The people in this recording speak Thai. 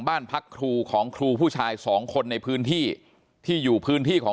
บ้านพักครูของครูผู้ชายสองคนในพื้นที่ที่อยู่พื้นที่ของ